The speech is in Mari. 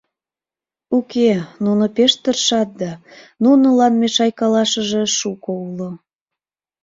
Уке, нуно пеш тыршат да, нунылан мешайкалышыже шуко уло.